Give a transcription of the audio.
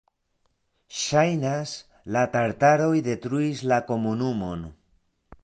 Ŝajnas, la tataroj detruis la komunumon.